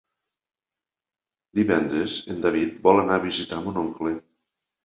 Divendres en David vol anar a visitar mon oncle.